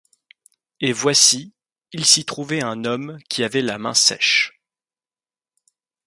Et voici, il s'y trouvait un homme qui avait la main sèche.